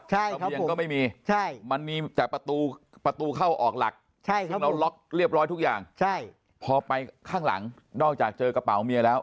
ใช่ครับผมมันมีจากประตูเข้าออกหลักแล้วล็อกเรียบร้อยทุกอย่างพอไปข้างหลังนอกจากเจอกระเป๋าเมียแล้ว